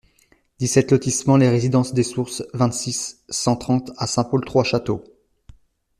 dix-sept lotissement Les Residences des Sources, vingt-six, cent trente à Saint-Paul-Trois-Châteaux